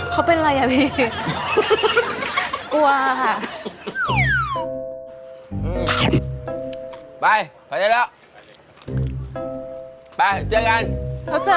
เขาเป็นอะไรอ่ะพี่